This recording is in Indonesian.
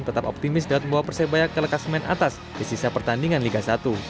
tetap optimis dapat membawa persebaya ke lekasmen atas di sisa pertandingan liga satu